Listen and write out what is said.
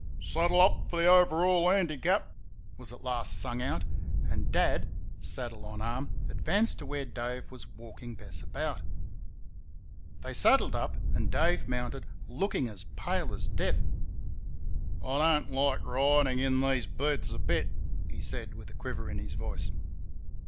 "Saddle up for the Overhaul Handicap!" was at last sung out, and Dad, saddle on arm, advanced to where Dave was walking Bess about. They saddled up and Dave mounted, looking as pale as death. "I don't like ridin' in these boots a bit," he said, with a quiver in his voice.